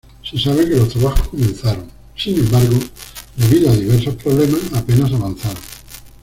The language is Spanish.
Se sabe que los trabajos comenzaron, sin embargo, debido a diversos problemas, apenas avanzaron.